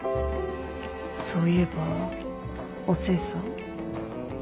そういえばお勢さん。